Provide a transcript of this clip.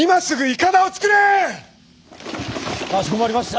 かしこまりました。